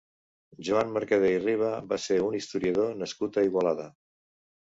Joan Mercader i Riba va ser un historiador nascut a Igualada.